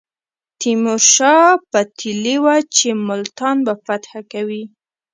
تیمور شاه پتېیلې وه چې ملتان به فتح کوي.